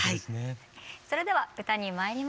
それでは歌にまいりましょう。